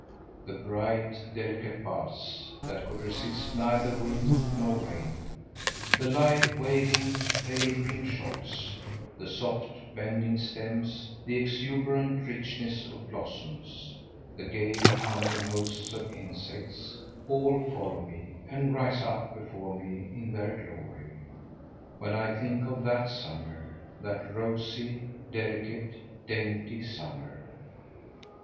The bright, delicate buds, that could resist neither wind nor rain, the light, waving, pale green shoots, the soft, bending stems, the exuberant richness of blossoms, the gaily humming hosts of insects, all follow me and rise up before me in their glory, when I think of that summer, that rosy, delicate, dainty summer.